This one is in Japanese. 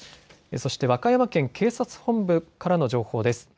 そして和歌山県警察本部からの情報です。